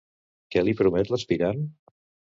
Què li promet l'aspirant?